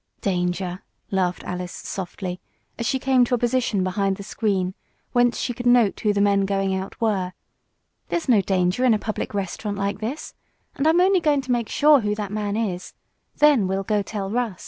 "Danger!" laughed Alice softly, as she came to a position behind the screen, whence she could note who the men going out were. "There's no danger in a public restaurant like this. And I'm only going to make sure who that man is. Then we'll go tell Russ."